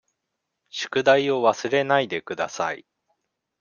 宿題を忘れないでください。